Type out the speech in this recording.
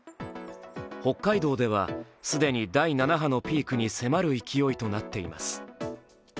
北海道では既に第７波のピークに迫る勢いとなっています。